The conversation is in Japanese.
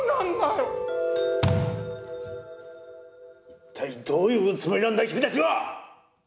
一体どういうつもりなんだ君たちは！